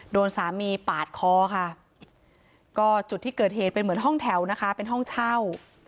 โดนสามีปาดคอค่ะก็จุดที่เกิดเหตุเป็นเหมือนห้องแถวนะคะเป็นห้องเช่า